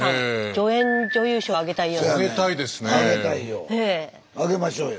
助演女優賞あげたいような。